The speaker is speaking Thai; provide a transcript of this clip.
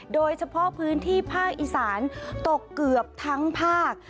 โดยเฉพาะพื้นที่ภาคอีสานตกเกือบทั้งภาค